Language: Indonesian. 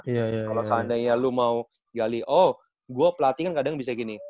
iya iya iya kalau seandainya lu mau gali oh gue pelatihan kadang bisa gini